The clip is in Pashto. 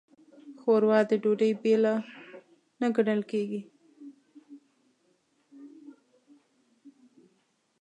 ښوروا د ډوډۍ بېله نه ګڼل کېږي.